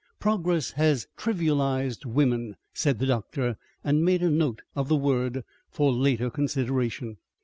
"Progress has TRIVIALIZED women," said the doctor, and made a note of the word for later consideration.